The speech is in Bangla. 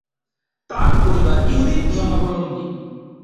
তার পরিবার ইহুদি ধর্মাবলম্বী।